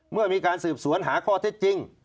เมื่อมีการสืบสวนหาข้อเท็จจริง